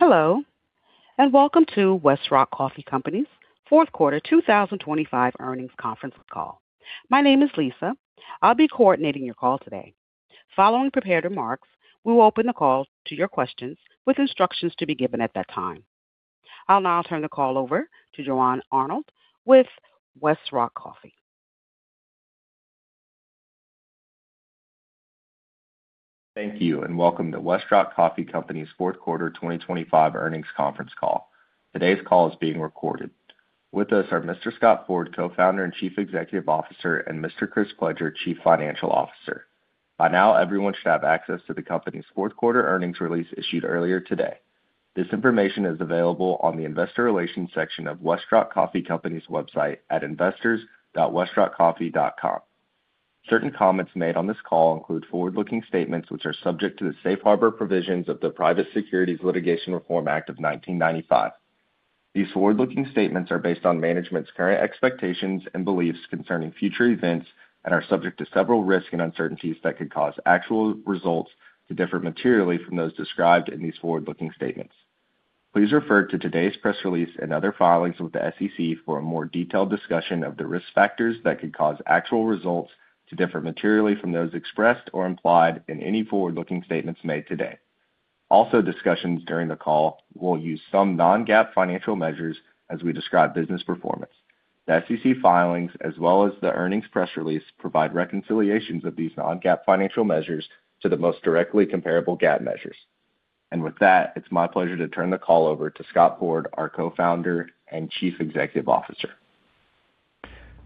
Hello, and welcome to Westrock Coffee Company's Fourth Quarter 2025 Earnings Conference Call. My name is Lisa. I'll be coordinating your call today. Following prepared remarks, we will open the call to your questions with instructions to be given at that time. I'll now turn the call over to Jauan Arnold with Westrock Coffee. Thank you, and welcome to Westrock Coffee Company's fourth quarter 2025 earnings conference call. Today's call is being recorded. With us are Mr. Scott Ford, Co-founder and Chief Executive Officer, and Mr. Chris Pledger, Chief Financial Officer. By now, everyone should have access to the company's fourth quarter earnings release issued earlier today. This information is available on the investor relations section of Westrock Coffee Company's website at investors.westrockcoffee.com. Certain comments made on this call include forward-looking statements, which are subject to the safe harbor provisions of the Private Securities Litigation Reform Act of 1995. These forward-looking statements are based on management's current expectations and beliefs concerning future events and are subject to several risks and uncertainties that could cause actual results to differ materially from those described in these forward-looking statements. Please refer to today's press release and other filings with the SEC for a more detailed discussion of the risk factors that could cause actual results to differ materially from those expressed or implied in any forward-looking statements made today. Also, discussions during the call will use some non-GAAP financial measures as we describe business performance. The SEC filings as well as the earnings press release provide reconciliations of these non-GAAP financial measures to the most directly comparable GAAP measures. With that, it's my pleasure to turn the call over to Scott Ford, our Co-founder and Chief Executive Officer.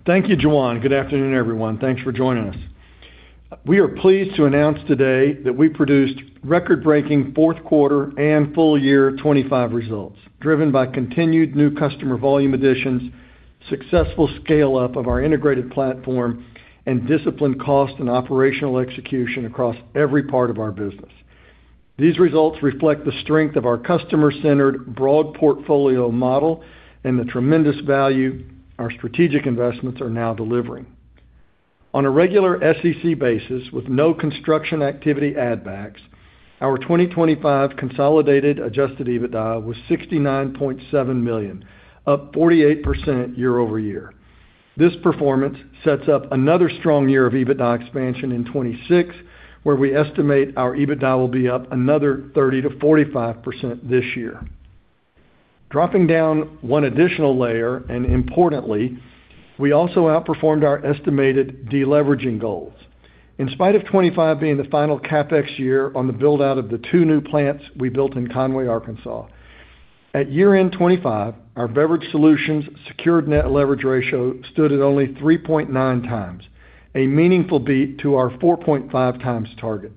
Thank you, Jauan. Good afternoon, everyone. Thanks for joining us. We are pleased to announce today that we produced record-breaking fourth quarter and full year 2025 results, driven by continued new customer volume additions, successful scale up of our integrated platform, and disciplined cost and operational execution across every part of our business. These results reflect the strength of our customer-centered broad portfolio model and the tremendous value our strategic investments are now delivering. On a regular SEC basis with no construction activity add backs, our 2025 consolidated adjusted EBITDA was $69.7 million, up 48% year-over-year. This performance sets up another strong year of EBITDA expansion in 2026, where we estimate our EBITDA will be up another 30%-45% this year. Dropping down one additional layer, and importantly, we also outperformed our estimated deleveraging goals. In spite of 2025 being the final CapEx year on the build-out of the two new plants we built in Conway, Arkansas. At year-end 2025, our Beverage Solutions secured net leverage ratio stood at only 3.9 times, a meaningful beat to our 4.5 times target.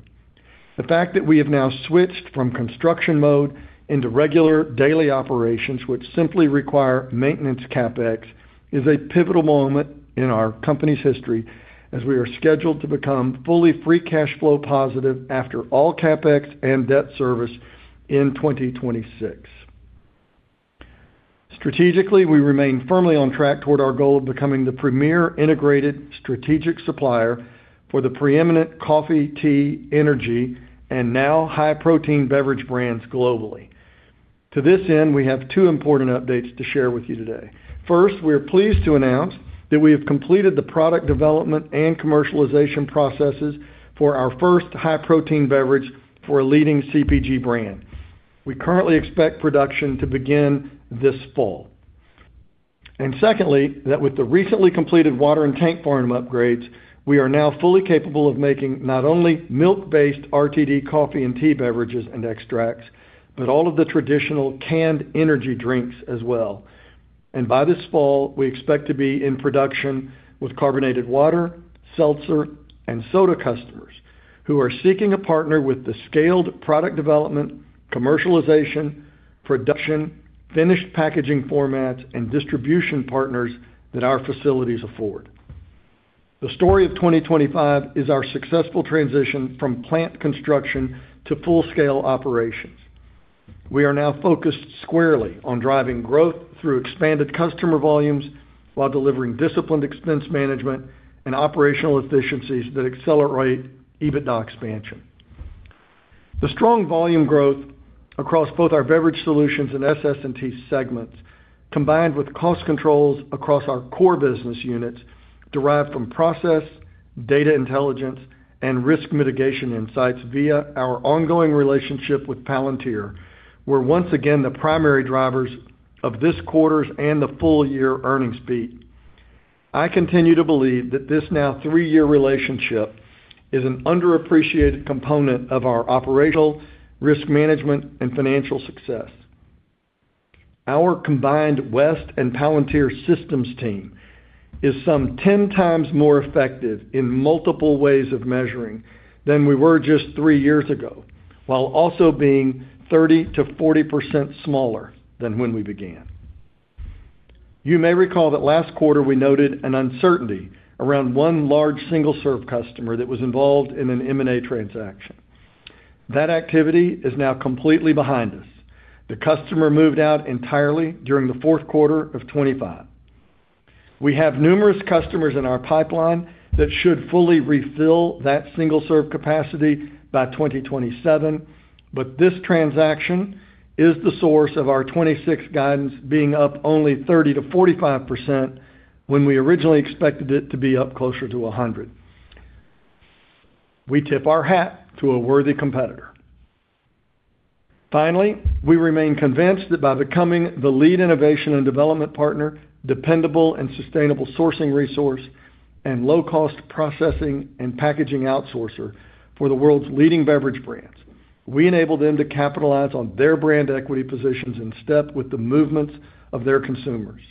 The fact that we have now switched from construction mode into regular daily operations, which simply require maintenance CapEx, is a pivotal moment in our company's history as we are scheduled to become fully free cash flow positive after all CapEx and debt service in 2026. Strategically, we remain firmly on track toward our goal of becoming the premier integrated strategic supplier for the preeminent coffee, tea, energy, and now high-protein beverage brands globally. To this end, we have two important updates to share with you today. First, we are pleased to announce that we have completed the product development and commercialization processes for our first high-protein beverage for a leading CPG brand. We currently expect production to begin this fall. Secondly, that with the recently completed water and tank farm upgrades, we are now fully capable of making not only milk-based RTD coffee and tea beverages and extracts, but all of the traditional canned energy drinks as well. And by this fall, we expect to be in production with carbonated water, seltzer, and soda customers who are seeking a partner with the scaled product development, commercialization, production, finished packaging formats, and distribution partners that our facilities afford. The story of 2025 is our successful transition from plant construction to full scale operations. We are now focused squarely on driving growth through expanded customer volumes while delivering disciplined expense management and operational efficiencies that accelerate EBITDA expansion. The strong volume growth across both our Beverage Solutions and SS&T segments, combined with cost controls across our core business units derived from process, data intelligence, and risk mitigation insights via our ongoing relationship with Palantir, were once again the primary drivers of this quarter's and the full-year earnings beat. I continue to believe that this now three-year relationship is an underappreciated component of our operational risk management and financial success. Our combined West and Palantir systems team is some 10 times more effective in multiple ways of measuring than we were just three years ago, while also being 30%-40% smaller than when we began. You may recall that last quarter we noted an uncertainty around one large single-serve customer that was involved in an M&A transaction. That activity is now completely behind us. The customer moved out entirely during the fourth quarter of 2025. We have numerous customers in our pipeline that should fully refill that single-serve capacity by 2027. This transaction is the source of our 2026 guidance being up only 30%-45% when we originally expected it to be up closer to 100%. We tip our hat to a worthy competitor. Finally, we remain convinced that by becoming the lead innovation and development partner, dependable and sustainable sourcing resource, and low-cost processing and packaging outsourcer for the world's leading beverage brands, we enable them to capitalize on their brand equity positions in step with the movements of their consumers.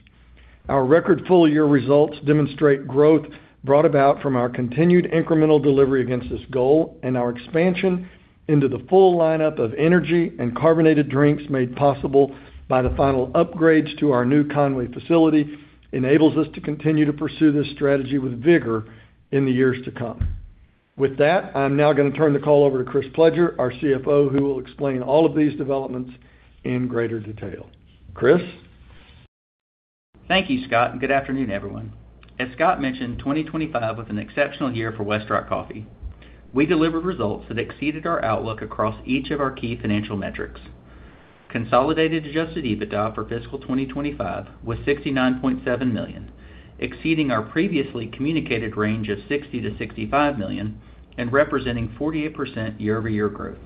Our record full-year results demonstrate growth brought about from our continued incremental delivery against this goal, and our expansion into the full lineup of energy and carbonated drinks made possible by the final upgrades to our new Conway facility enables us to continue to pursue this strategy with vigor in the years to come. With that, I'm now gonna turn the call over to Chris Pledger, our CFO, who will explain all of these developments in greater detail. Chris? Thank you, Scott, and good afternoon, everyone. As Scott mentioned, 2025 was an exceptional year for Westrock Coffee. We delivered results that exceeded our outlook across each of our key financial metrics. Consolidated adjusted EBITDA for fiscal 2025 was $69.7 million, exceeding our previously communicated range of $60-$65 million and representing 48% year-over-year growth.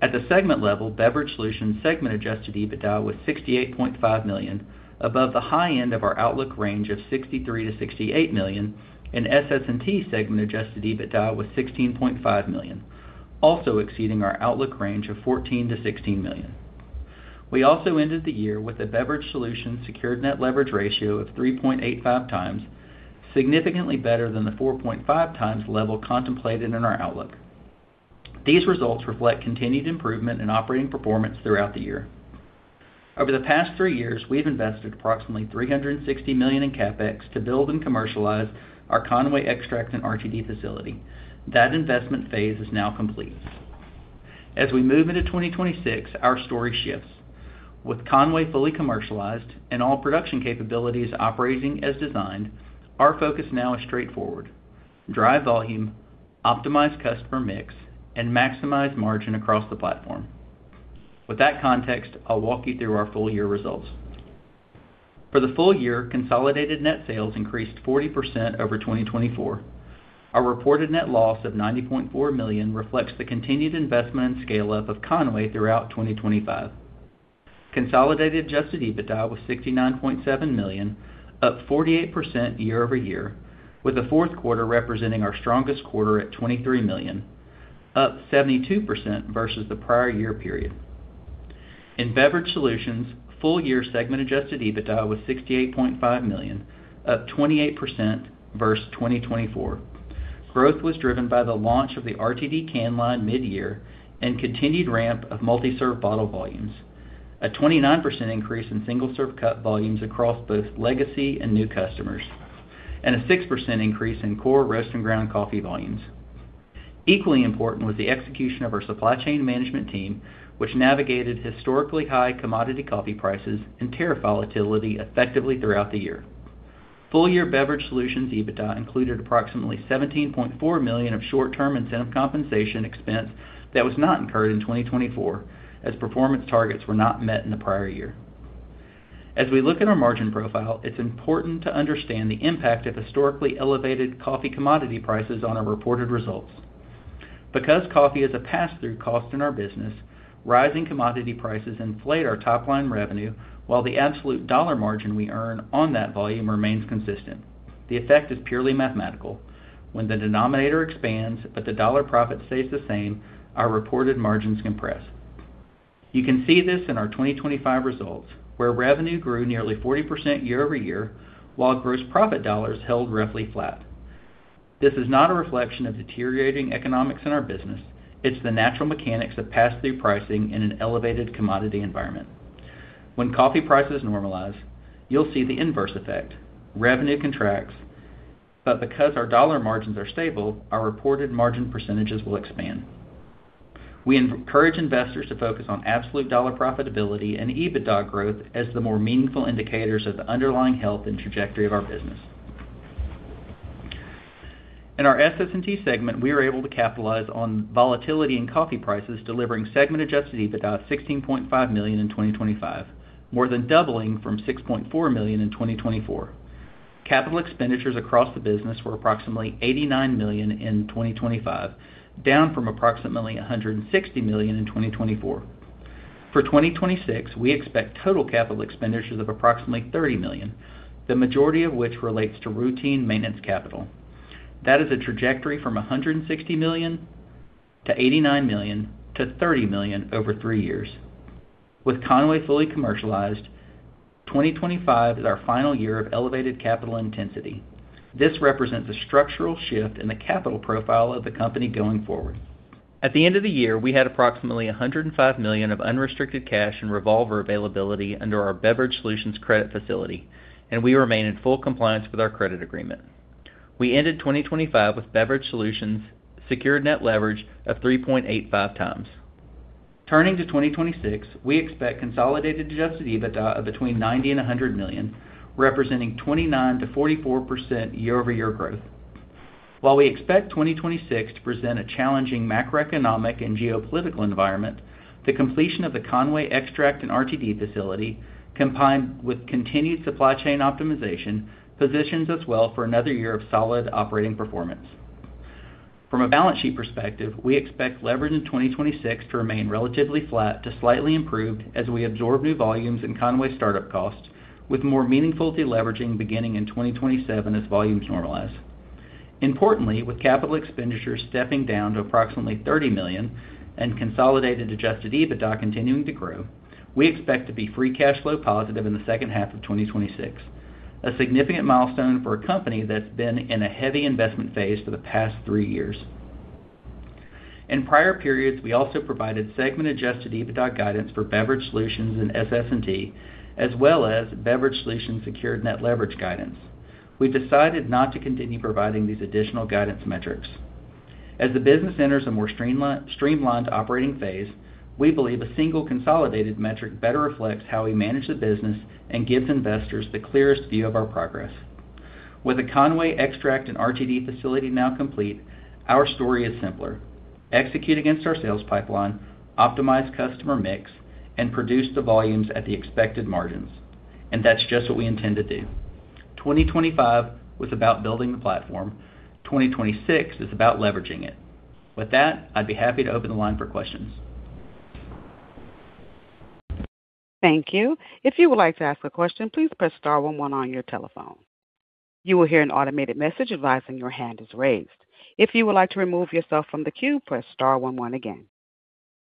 At the segment level, Beverage Solutions segment adjusted EBITDA was $68.5 million, above the high end of our outlook range of $63-$68 million, and SS&T segment adjusted EBITDA was $16.5 million, also exceeding our outlook range of $14-$16 million. We also ended the year with a beverage solutions secured net leverage ratio of 3.85x, significantly better than the 4.5x level contemplated in our outlook. These results reflect continued improvement in operating performance throughout the year. Over the past three years, we've invested approximately $360 million in CapEx to build and commercialize our Conway extract and RTD facility. That investment phase is now complete. As we move into 2026, our story shifts. With Conway fully commercialized and all production capabilities operating as designed, our focus now is straightforward, drive volume, optimize customer mix, and maximize margin across the platform. With that context, I'll walk you through our full year results. For the full year, consolidated net sales increased 40% over 2024. Our reported net loss of $90.4 million reflects the continued investment and scale up of Conway throughout 2025. Consolidated Adjusted EBITDA was $69.7 million, up 48% year-over-year, with the fourth quarter representing our strongest quarter at $23 million, up 72% versus the prior year period. In Beverage Solutions, full-year segment Adjusted EBITDA was $68.5 million, up 28% versus 2024. Growth was driven by the launch of the RTD can line mid-year and continued ramp of multi-serve bottle volumes, a 29% increase in single-serve cup volumes across both legacy and new customers, and a 6% increase in core roast and ground coffee volumes. Equally important was the execution of our supply chain management team, which navigated historically high commodity coffee prices and tariff volatility effectively throughout the year. Full year Beverage Solutions EBITDA included approximately $17.4 million of short-term incentive compensation expense that was not incurred in 2024, as performance targets were not met in the prior year. As we look at our margin profile, it's important to understand the impact of historically elevated coffee commodity prices on our reported results. Because coffee is a pass-through cost in our business, rising commodity prices inflate our top-line revenue, while the absolute dollar margin we earn on that volume remains consistent. The effect is purely mathematical. When the denominator expands but the dollar profit stays the same, our reported margins compress. You can see this in our 2025 results, where revenue grew nearly 40% year-over-year, while gross profit dollars held roughly flat. This is not a reflection of deteriorating economics in our business, it's the natural mechanics of pass-through pricing in an elevated commodity environment. When coffee prices normalize, you'll see the inverse effect. Revenue contracts, but because our dollar margins are stable, our reported margin percentages will expand. We encourage investors to focus on absolute dollar profitability and EBITDA growth as the more meaningful indicators of the underlying health and trajectory of our business. In our SS&T segment, we were able to capitalize on volatility in coffee prices, delivering segment-adjusted EBITDA of $16.5 million in 2025, more than doubling from $6.4 million in 2024. Capital expenditures across the business were approximately $89 million in 2025, down from approximately $160 million in 2024. For 2026, we expect total capital expenditures of approximately $30 million, the majority of which relates to routine maintenance capital. That is a trajectory from $160 million to $89 million to $30 million over three years. With Conway fully commercialized, 2025 is our final year of elevated capital intensity. This represents a structural shift in the capital profile of the company going forward. At the end of the year, we had approximately $105 million of unrestricted cash and revolver availability under our Beverage Solutions credit facility, and we remain in full compliance with our credit agreement. We ended 2025 with Beverage Solutions secured net leverage of 3.85 times. Turning to 2026, we expect consolidated Adjusted EBITDA of between $90 million and $100 million, representing 29%-44% year-over-year growth. While we expect 2026 to present a challenging macroeconomic and geopolitical environment, the completion of the Conway extract and RTD facility, combined with continued supply chain optimization, positions us well for another year of solid operating performance. From a balance sheet perspective, we expect leverage in 2026 to remain relatively flat to slightly improved as we absorb new volumes in Conway startup costs, with more meaningful deleveraging beginning in 2027 as volumes normalize. Importantly, with capital expenditures stepping down to approximately $30 million and consolidated Adjusted EBITDA continuing to grow, we expect to be free cash flow positive in the second half of 2026, a significant milestone for a company that's been in a heavy investment phase for the past three years. In prior periods, we also provided segment Adjusted EBITDA guidance for Beverage Solutions and SS&T, as well as Beverage Solutions secured net leverage guidance. We've decided not to continue providing these additional guidance metrics. As the business enters a more streamlined operating phase, we believe a single consolidated metric better reflects how we manage the business and gives investors the clearest view of our progress. With the Conway extract and RTD facility now complete, our story is simpler. Execute against our sales pipeline, optimize customer mix, and produce the volumes at the expected margins, and that's just what we intend to do. 2025 was about building the platform. 2026 is about leveraging it. With that, I'd be happy to open the line for questions. Thank you. If you would like to ask a question, please press star one one on your telephone. You will hear an automated message advising your hand is raised. If you would like to remove yourself from the queue, press star one one again.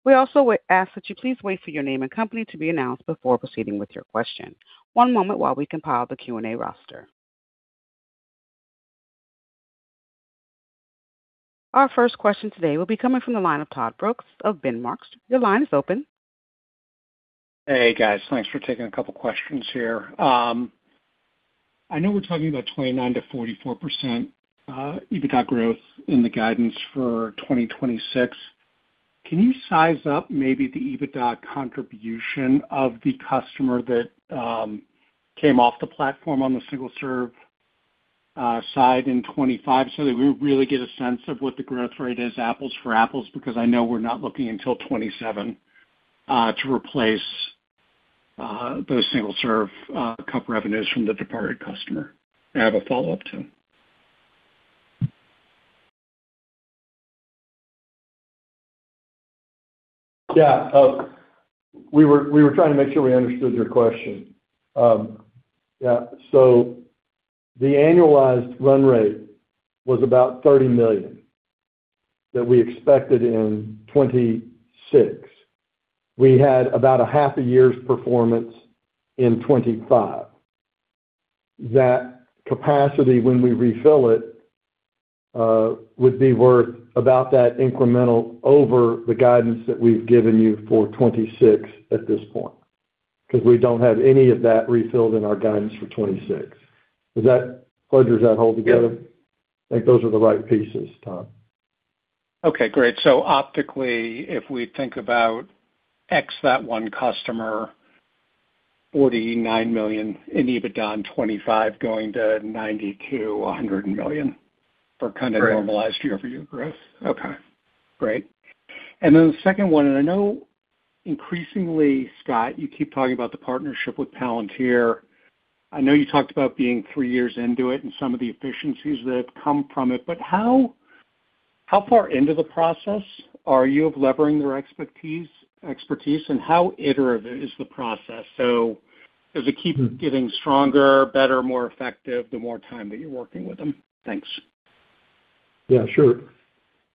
We also would ask that you please wait for your name and company to be announced before proceeding with your question. One moment while we compile the Q&A roster. Our first question today will be coming from the line of Todd Brooks of Benchmark. Your line is open. Hey, guys. Thanks for taking a couple questions here. I know we're talking about 29%-44% EBITDA growth in the guidance for 2026. Can you size up maybe the EBITDA contribution of the customer that came off the platform on the single serve side in 2025 so that we really get a sense of what the growth rate is, apples for apples, because I know we're not looking until 2027 to replace those single serve cup revenues from the departed customer. I have a follow-up too. Yeah. We were trying to make sure we understood your question. Yeah. The annualized run rate was about $30 million that we expected in 2026. We had about a half a year's performance in 2025. That capacity, when we refill it, would be worth about that incremental over the guidance that we've given you for 2026 at this point, because we don't have any of that refilled in our guidance for 2026. Does that hold together? Yes. I think those are the right pieces, Todd. Okay, great. Optically, if we think about X, that one customer, $49 million in EBITDA in 2025 going to $90-$100 million for kind of Right. Normalized year-over-year growth. Okay, great. Then the second one, and I know increasingly, Scott, you keep talking about the partnership with Palantir. I know you talked about being three years into it and some of the efficiencies that have come from it, but how far into the process are you of leveraging their expertise, and how iterative is the process? Does it keep getting stronger, better, more effective the more time that you're working with them? Thanks. Yeah,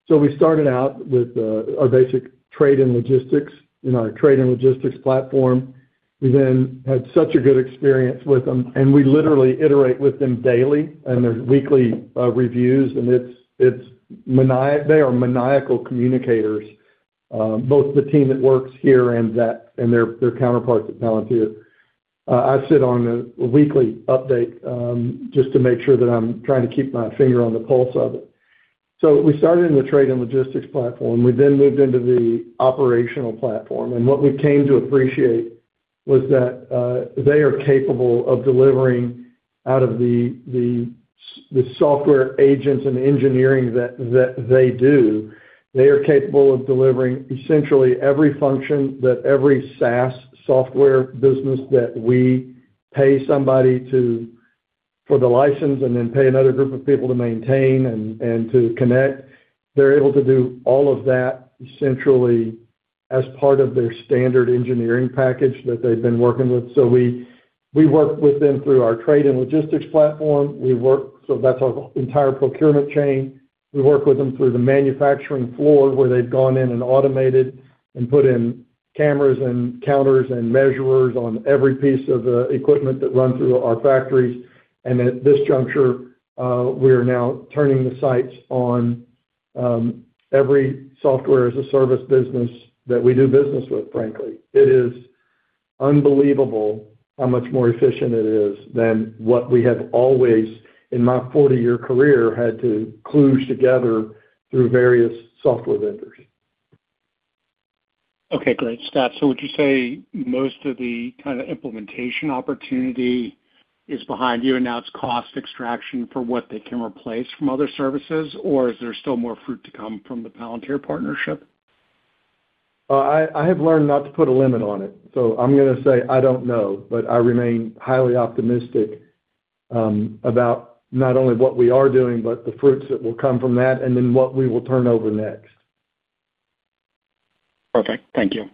sure. We started out with our basic trade and logistics in our trade and logistics platform. We then had such a good experience with them, and we literally iterate with them daily and there's weekly reviews, and it's maniacal communicators, both the team that works here and that and their counterparts at Palantir. I sit on a weekly update just to make sure that I'm trying to keep my finger on the pulse of it. We started in the trade and logistics platform. We then moved into the operational platform, and what we came to appreciate was that they are capable of delivering out of the software agents and engineering that they do. They are capable of delivering essentially every function that every SaaS software business that we pay somebody for the license and then pay another group of people to maintain and to connect. They're able to do all of that centrally as part of their standard engineering package that they've been working with. We work with them through our trade and logistics platform. That's our entire procurement chain. We work with them through the manufacturing floor where they've gone in and automated and put in cameras and counters and measurers on every piece of equipment that run through our factories. At this juncture, we are now turning the sights on every software as a service business that we do business with, frankly. It is Unbelievable how much more efficient it is than what we have always, in my 40-year career, had to kludge together through various software vendors. Okay, great. Scott, so would you say most of the kind of implementation opportunity is behind you and now it's cost extraction for what they can replace from other services? Or is there still more fruit to come from the Palantir partnership? I have learned not to put a limit on it, so I'm gonna say I don't know. I remain highly optimistic about not only what we are doing, but the fruits that will come from that and then what we will turn over next. Perfect. Thank you.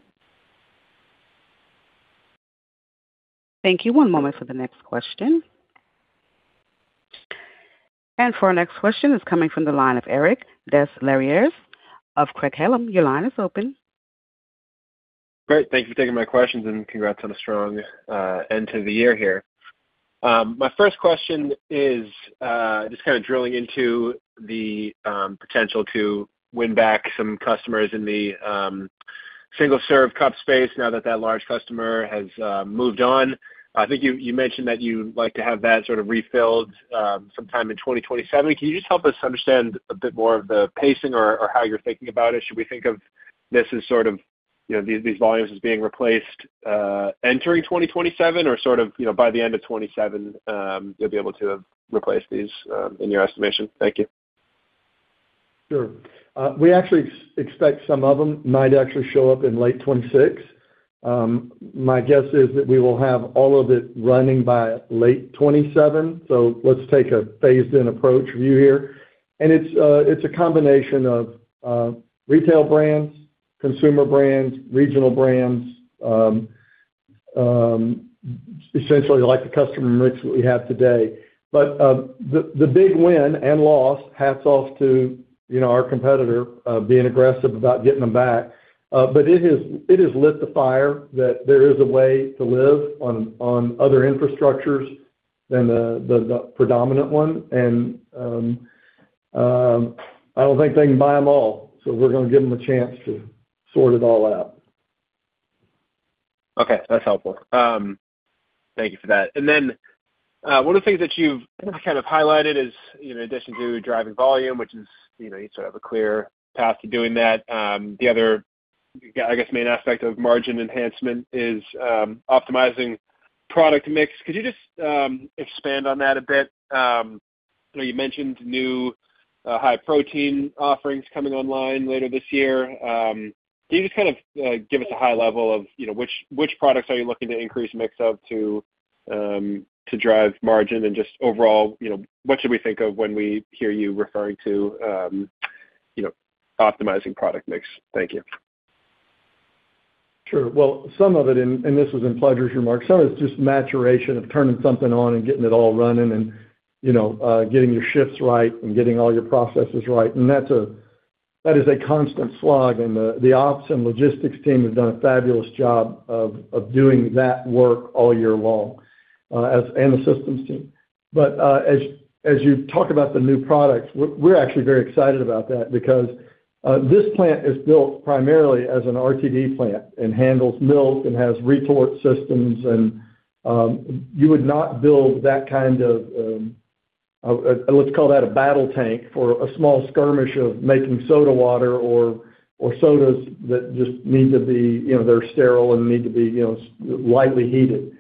Thank you. One moment for the next question. For our next question is coming from the line of Eric Des Lauriers of Craig-Hallum. Your line is open. Great. Thank you for taking my questions and congrats on a strong end to the year here. My first question is just kind of drilling into the potential to win back some customers in the single-serve cup space now that that large customer has moved on. I think you mentioned that you'd like to have that sort of refilled sometime in 2027. Can you just help us understand a bit more of the pacing or how you're thinking about it? Should we think of this as sort of, you know, these volumes as being replaced entering 2027 or sort of, you know, by the end of 2027, you'll be able to replace these in your estimation? Thank you. Sure. We actually expect some of them might actually show up in late 2026. My guess is that we will have all of it running by late 2027. Let's take a phased-in approach view here. It's a combination of retail brands, consumer brands, regional brands, essentially like the customer mix that we have today. The big win and loss, hats off to, you know, our competitor being aggressive about getting them back. It has lit the fire that there is a way to live on other infrastructures than the predominant one. I don't think they can buy them all, so we're gonna give them a chance to sort it all out. Okay. That's helpful. Thank you for that. One of the things that you've kind of highlighted is, you know, in addition to driving volume, which is, you know, you sort of a clear path to doing that. The other, I guess, main aspect of margin enhancement is, optimizing product mix. Could you just, expand on that a bit? You know, you mentioned new, high protein offerings coming online later this year. Can you just kind of, give us a high level of, you know, which products are you looking to increase mix of to drive margin? And just overall, you know, what should we think of when we hear you referring to, you know, optimizing product mix? Thank you. Sure. Well, some of it, and this was in Pledger's remarks, some of it's just maturation of turning something on and getting it all running and, you know, getting your shifts right and getting all your processes right. That's that is a constant slog, and the ops and logistics team have done a fabulous job of doing that work all year long, and the systems team. As you talk about the new products, we're actually very excited about that because this plant is built primarily as an RTD plant and handles milk and has retort systems and you would not build that kind of let's call that a battle tank for a small skirmish of making soda water or sodas that just need to be, you know, they're sterile and need to be, you know, lightly heated.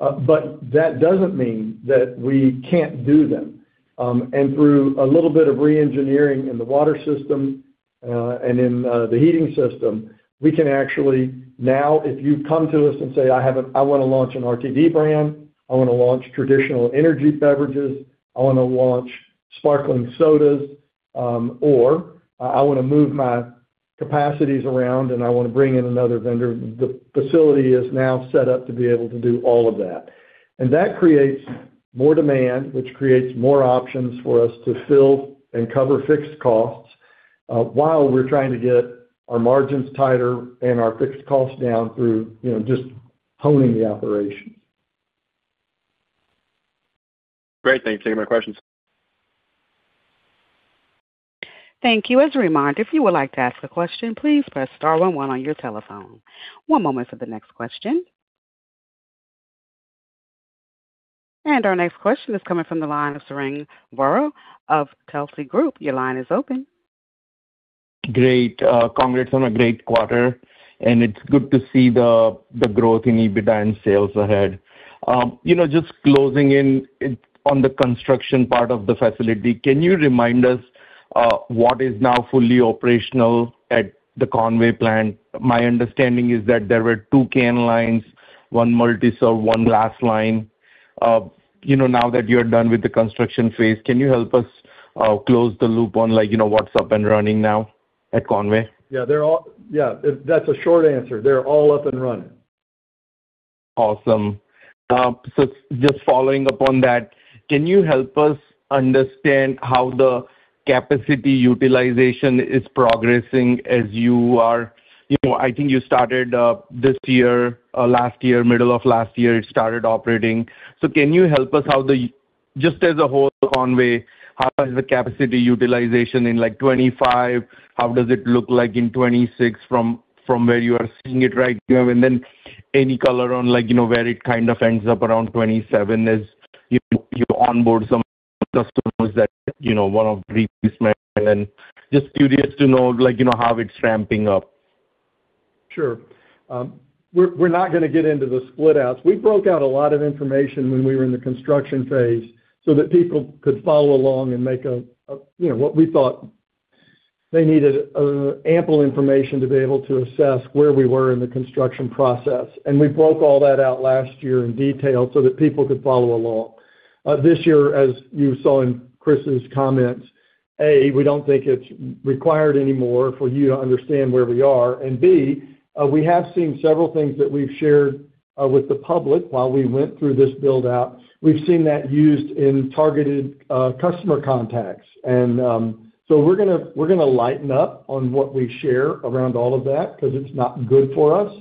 That doesn't mean that we can't do them. Through a little bit of reengineering in the water system, and in the heating system, we can actually now if you come to us and say, "I wanna launch an RTD brand, I wanna launch traditional energy beverages, I wanna launch sparkling sodas, or I wanna move my capacities around and I wanna bring in another vendor," the facility is now set up to be able to do all of that. That creates more demand, which creates more options for us to fill and cover fixed costs, while we're trying to get our margins tighter and our fixed costs down through, you know, just honing the operations. Great. Thank you. Take my questions. Thank you. As a reminder, if you would like to ask a question, please press star one one on your telephone. One moment for the next question. Our next question is coming from the line of Sarang Vora of Telsey Group. Your line is open. Great. Congrats on a great quarter, and it's good to see the growth in EBITDA and sales ahead. You know, just closing in on the construction part of the facility, can you remind us what is now fully operational at the Conway plant? My understanding is that there were two can lines, one multi-serve, one glass line. You know, now that you're done with the construction phase, can you help us close the loop on like, you know, what's up and running now at Conway? Yeah, that's a short answer. They're all up and running. Awesome. Just following up on that, can you help us understand how the capacity utilization is progressing as you are. You know, I think you started this year, last year, middle of last year, it started operating. Just as a whole, Conway, how is the capacity utilization in like 2025? How does it look like in 2026 from where you are seeing it right now? And then any color on like, you know, where it kind of ends up around 2027 as you onboard some customers that, you know, want to replacement. And just curious to know like, you know, how it's ramping up. Sure. We're not gonna get into the split outs. We broke out a lot of information when we were in the construction phase so that people could follow along and make, you know, what we thought they needed, ample information to be able to assess where we were in the construction process. We broke all that out last year in detail so that people could follow along. This year, as you saw in Chris's comments, A, we don't think it's required anymore for you to understand where we are. B, we have seen several things that we've shared with the public while we went through this build-out. We've seen that used in targeted customer contacts. We're gonna lighten up on what we share around all of that, because it's not good for us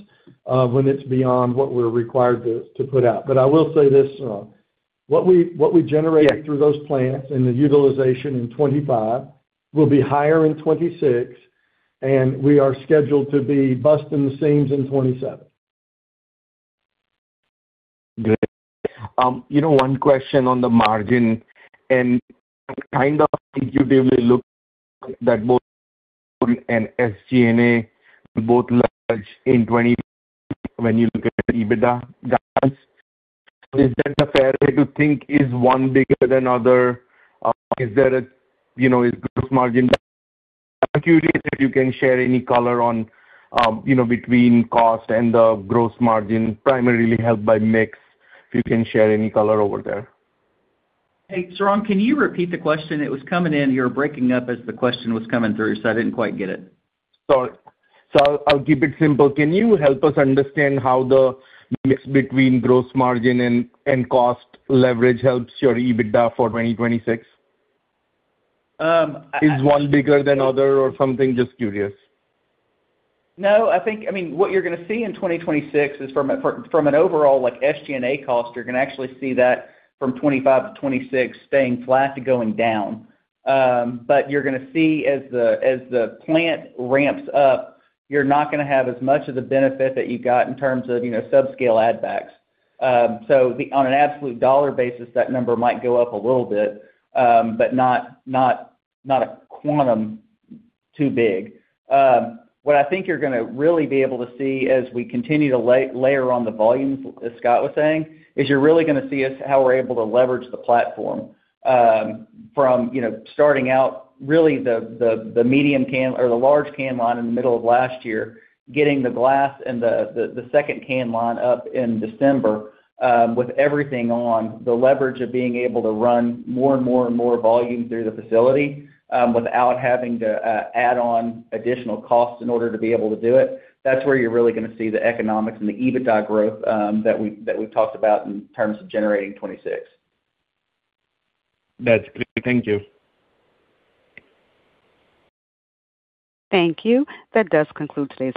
when it's beyond what we're required to put out. I will say this, what we generate through those plants and the utilization in 2025 will be higher in 2026, and we are scheduled to be busting the seams in 2027. Great. You know, one question on the margin, and I'm kind of intuitively looking at both COGS and SG&A both large in 2024 when you look at the EBITDA guidance. Is that a fair way to think? Is one bigger than other? You know, is gross margin. I'm curious if you can share any color on you know, between cost and the gross margin primarily helped by mix, if you can share any color over there. Hey, Sarang, can you repeat the question? It was coming in. You were breaking up as the question was coming through, so I didn't quite get it. Sorry. I'll keep it simple. Can you help us understand how the mix between gross margin and cost leverage helps your EBITDA for 2026? Um, I. Is one bigger than other or something? Just curious. No, I think I mean, what you're gonna see in 2026 is from an overall like SG&A cost, you're gonna actually see that from 2025 to 2026 staying flat to going down. You're gonna see as the plant ramps up, you're not gonna have as much of the benefit that you got in terms of, you know, subscale add backs. On an absolute dollar basis, that number might go up a little bit, but not a quantum too big. What I think you're gonna really be able to see as we continue to layer on the volumes, as Scott was saying, is you're really gonna see us, how we're able to leverage the platform, from, you know, starting out really the medium can or the large can line in the middle of last year, getting the glass and the second can line up in December, with everything on the leverage of being able to run more and more volume through the facility, without having to add on additional costs in order to be able to do it. That's where you're really gonna see the economics and the EBITDA growth, that we've talked about in terms of generating $26. That's great. Thank you. Thank you. That does conclude today's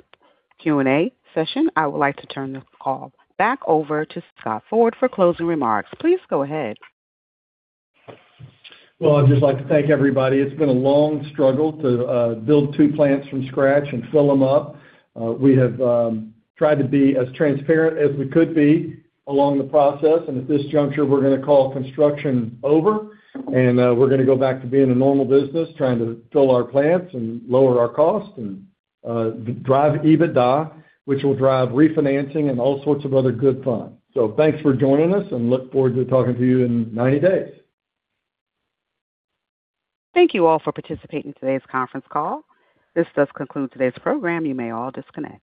Q&A session. I would like to turn this call back over to Scott Ford for closing remarks. Please go ahead. Well, I'd just like to thank everybody. It's been a long struggle to build two plants from scratch and fill them up. We have tried to be as transparent as we could be along the process, and at this juncture, we're gonna call construction over, and we're gonna go back to being a normal business, trying to fill our plants and lower our costs and drive EBITDA, which will drive refinancing and all sorts of other good fun. Thanks for joining us and look forward to talking to you in 90 days. Thank you all for participating in today's conference call. This does conclude today's program. You may all disconnect.